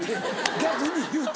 逆に言うと。